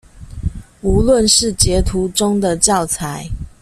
無論是截圖中的教材